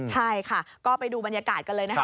ใช่ค่ะก็ไปดูบรรยากาศกันเลยนะคะ